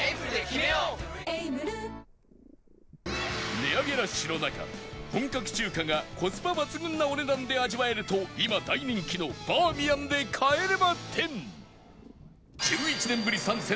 値上げラッシュの中本格中華がコスパ抜群なお値段で味わえると今大人気のバーミヤンで帰れま １０！